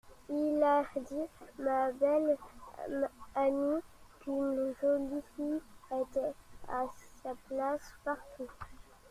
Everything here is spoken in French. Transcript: Il a dit, ma belle amie, qu'une jolie fille était à sa place partout.